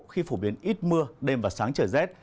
khi phổ biến ít mưa đêm và sáng trở rét